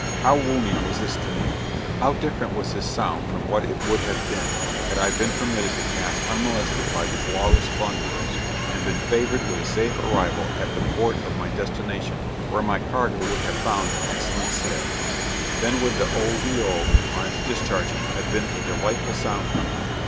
How wounding was this to me! How different was this sound from what it would have been, had I been permitted to pass unmolested by these lawless plunderers, and been favored with a safe arrival at the port of my destination, where my cargo would have found an excellent sale. Then would the "O he oh," on its discharging, have been a delightful sound to me.